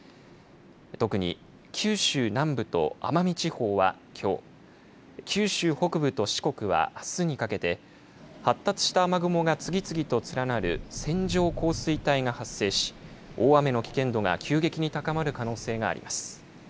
特に九州南部と奄美地方は、きょう九州北部と四国はあすにかけて発達した雨雲が次々と連なる線状降水帯が発生し大雨の危険度が急激に高まる可能性があります。